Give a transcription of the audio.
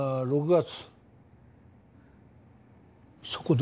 ６月？